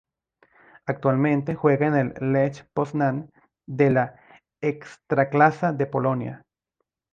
Actualmente juega en el Lech Poznań de la Ekstraklasa de Polonia.